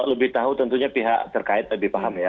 lebih tahu tentunya pihak terkait lebih paham ya